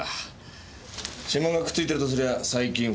指紋がくっついてるとすりゃ最近付着した指紋だ。